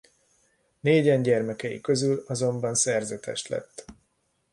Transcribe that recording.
Négyen gyermekei közül azonban szerzetes lett.